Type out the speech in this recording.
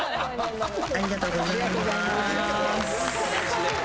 ありがとうございます。